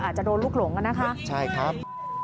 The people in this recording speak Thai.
อาจจะโดนลูกหลงอ่ะนะคะใช่ครับ